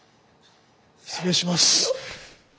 失礼します。